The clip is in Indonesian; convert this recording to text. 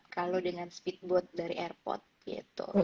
kalau dengan speedboat dari airport gitu